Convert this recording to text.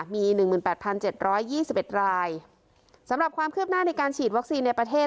มีหนึ่งหมื่นแปดพันเจ็ดร้อยยี่สิบเอ็ดรายสำหรับความคืบหน้าในการฉีดวัคซีในประเทศ